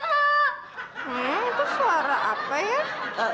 eh itu suara apa yan